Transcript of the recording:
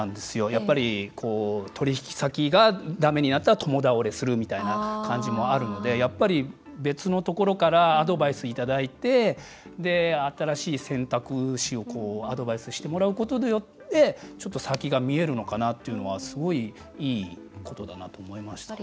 やっぱり取引先がだめになったら共倒れするみたいな感じもあるのでやっぱり別のところからアドバイスいただいて新しい選択肢をアドバイスしてもらうことによって先が見えるのかなというのはすごいいいことだなと思いました。